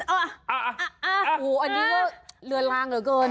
อาอ่าอู้หู้วอันนี้ลื้อลางเหรอเกิน